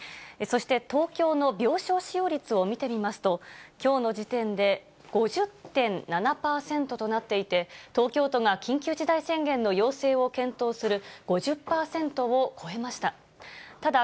そして、東京の病床使用率を見てみますと、きょうの時点で５０．７％となっていて、東京都が緊急事態宣言の要請を検討する５０％を超えました。